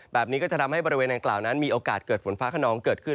แบบนี้ก็จะทำให้บริเวณดังกล่าวนั้นมีโอกาสเกิดฝนฟ้าขนองเกิดขึ้น